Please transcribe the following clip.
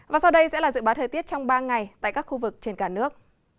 và sau đây sẽ là dự báo thời tiết trong ba ngày tại các khu vực trên cả nước